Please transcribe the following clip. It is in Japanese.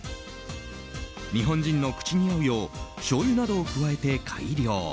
日本人の口に合うようしょうゆなどを加えて改良。